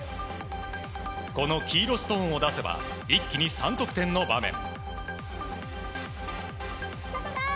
この黄色ストーンを出せば一気に３得点の場面。